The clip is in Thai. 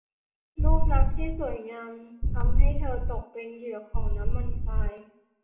รูปลักษณ์ที่สวยงามทำให้เธอตกเป็นเหยื่อของน้ำมันพราย